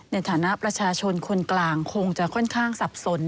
ในฐานะประชาชนคนกลางคงจะค่อนข้างสับสน